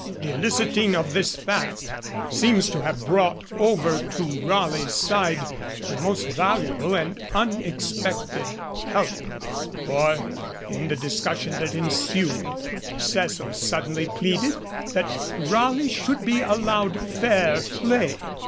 The eliciting of this fact seems to have brought over to Raleigh's side the most valuable and unexpected help, for, in the discussion that ensued, Cecil suddenly pleaded that Raleigh should be allowed fair play.